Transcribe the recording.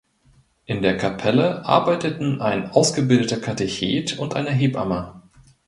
In der Kapelle arbeiteten ein ausgebildeter Katechet und eine Hebamme.